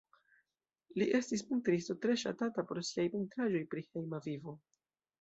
Li estis pentristo tre ŝatata pro siaj pentraĵoj pri hejma vivo.